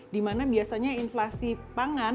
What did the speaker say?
di mana biasanya inflasi pangan